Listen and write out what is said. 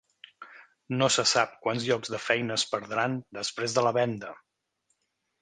No se sap quants llocs de feina es perdran després de la venda.